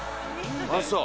ああそう。